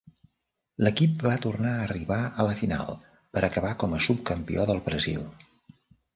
L'equip va tornar a arribar a la final, per acabar com a subcampió del Brasil.